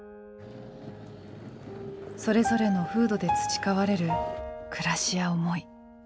それぞれの風土で培われる暮らしや思い。